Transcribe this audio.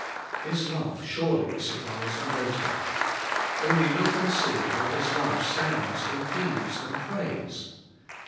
This love surely supplies a motive. Only look and see how this love stands and pleads and prays.